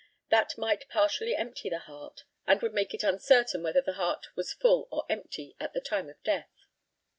That might partially empty the heart, and would make it uncertain whether the heart was full or empty at the time of death.